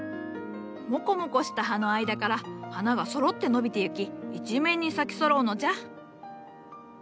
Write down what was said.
モコモコした葉の間から花がそろって伸びてゆき一面に咲きそろうのじゃ。